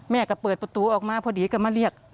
แม่ก็เปิดประตูออกมาพอดีก็มาเรียก